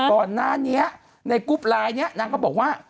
ก่อนหน้านี้ในกรุ๊ปไลน์นี้นางก็บอกว่า